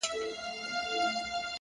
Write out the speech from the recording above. صبر د ناوخته بریا ساتونکی وي،